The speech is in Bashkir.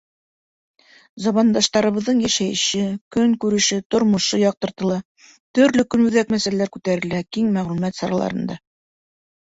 Замандаштарыбыҙҙың йәшәйеше, көнкүреше, тормошо яҡтыртыла, төрлө көнүҙәк мәсьәләләр күтәрелә киң мәғлүмәт сараларында.